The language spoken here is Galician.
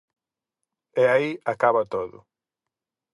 E aí acaba todo.